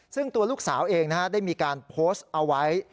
ซึ่งตัวลูกสาวเองได้มีการโพสต์เอาไว้